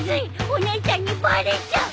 お姉ちゃんにバレちゃう。